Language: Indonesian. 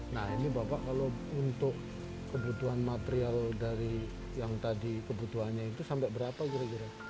nah ini bapak kalau untuk kebutuhan material dari yang tadi kebutuhannya itu sampai berapa kira kira